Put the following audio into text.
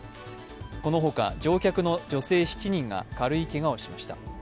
このほか、乗客の女性７人が軽いけがをしました。